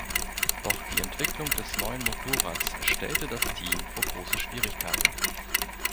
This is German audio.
Doch die Entwicklung des neuen Motorrads stellte das Team vor große Schwierigkeiten.